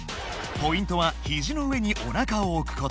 ポイントはひじの上におなかをおくこと。